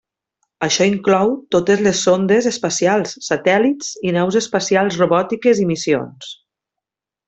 Això inclou totes les sondes espacials, satèl·lits i naus espacials robòtiques i missions.